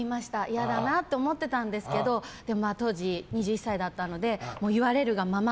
嫌だなって思ってたんですけどでも当時、２１歳だったので言われるがまま